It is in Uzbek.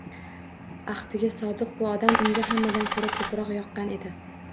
Ahdiga sodiq bu odam unga hammadan ko‘ra ko‘proq yoqqan edi.